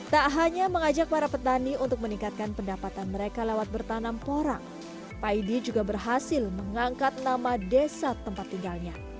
tak hanya mengajak para petani untuk meningkatkan pendapatan mereka lewat bertanam porang paidi juga berhasil mengangkat nama desa tempat tinggalnya